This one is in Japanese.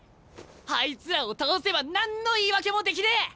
あいつらを倒せば何の言い訳もできねえ！